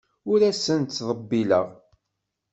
Ur asen-ttḍebbileɣ.